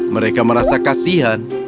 mereka merasa kasihan